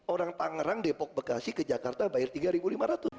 orang tangerang depok bekasi ke jakarta bayar rp tiga lima ratus